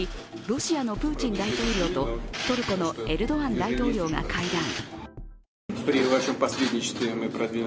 ロシアのプーチン大統領とトルコのエルドアン大統領が会談。